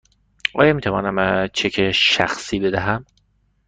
آیا می توانم چک شخصی بدهم؟